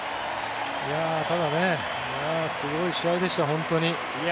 ただね、すごい試合でした本当に。